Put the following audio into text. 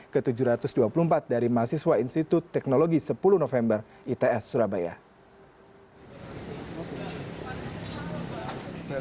ke tujuh ratus dua puluh empat dari mahasiswa institut teknologi sepuluh november its surabaya